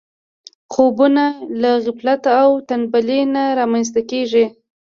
خوبونه له غفلت او تنبلي نه رامنځته کېږي.